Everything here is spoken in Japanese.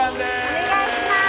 お願いします！